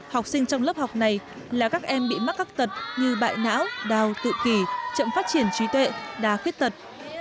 học sinh trong lớp học này là các em bị mắc các tật như bại não đào tự kỳ chậm phát triển trí tuệ đá khuyết tật